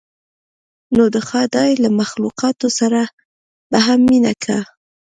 نو د خداى له مخلوقاتو سره به هم مينه کا.